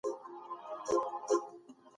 بايد په هر کور کي يو کوچنی کتابتون موجود وي.